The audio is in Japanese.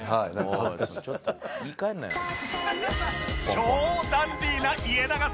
超ダンディーな家長選手